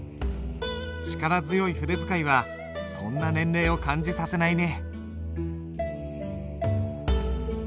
力強い筆使いはそんな年齢を感じさせないね。